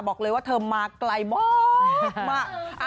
บอกเลยว่าเธอมาไกลมาก